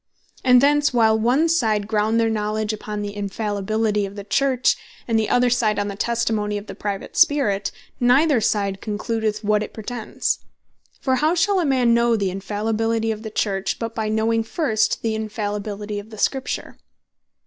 And thence while one side ground their Knowledge upon the Infallibility of the Church, and the other side, on the Testimony of the Private Spirit, neither side concludeth what it pretends. For how shall a man know the Infallibility of the Church, but by knowing first the Infallibility of the Scripture?